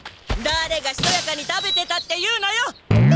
だれがしとやかに食べてたって言うのよ！？